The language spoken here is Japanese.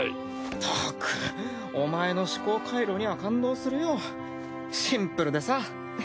ったくお前の思考回路には感動するよシンプルでさ。